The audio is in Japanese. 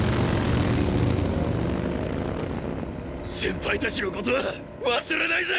先輩たちのことは忘れないぜ！